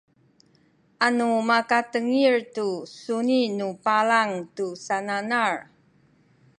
anu makatengil tu suni nu palang tu sananal